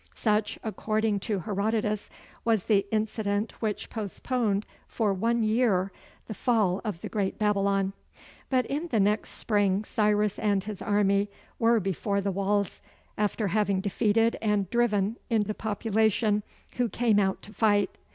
Such, according to Herodotus, was the incident which postponed for one year the fall of the great Babylon. But in the next spring Cyrus and his army were before the walls, after having defeated and driven in the population who came out to fight.